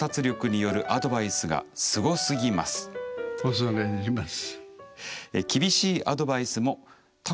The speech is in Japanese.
恐れ入ります。